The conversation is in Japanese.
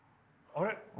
あれ？